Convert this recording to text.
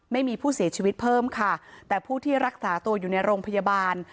ไม่มีผู้เสียชีวิตเพิ่มค่ะแต่ผู้ที่รักษาตัวอยู่ในโรงพยาบาล